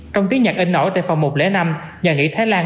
trong tiếng nhạc in nổi tại phòng một trăm linh năm nhà nghỉ thái lan